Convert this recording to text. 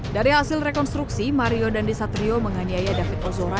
dari hasil rekonstruksi mario dandisatrio menganiaya david ozora